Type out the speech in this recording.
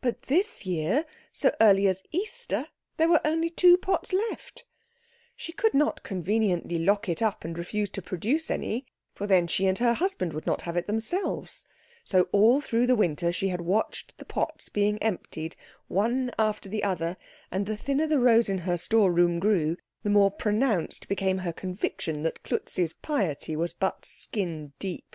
But this year, so early as Easter, there were only two pots left. She could not conveniently lock it up and refuse to produce any, for then she and her husband would not have it themselves; so all through the winter she had watched the pots being emptied one after the other, and the thinner the rows in her storeroom grew, the more pronounced became her conviction that Klutz's piety was but skin deep.